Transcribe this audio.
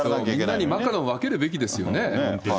みんなにマカロン分けるべきですよね、本当に。